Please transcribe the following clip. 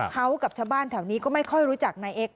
เขากับชาวบ้านแถวนี้ก็ไม่ค่อยรู้จักนายเอ็กซ